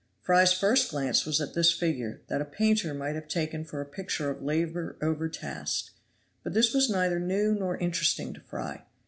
Fry's first glance was at this figure, that a painter might have taken for a picture of labor overtasked; but this was neither new nor interesting to Fry.